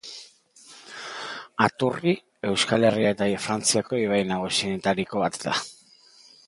Aturri Euskal Herria eta Frantziako ibai nagusienetariko bat da.